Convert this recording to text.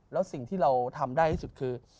แล้วสิ่งที่เราทำได้ที่สุดคือ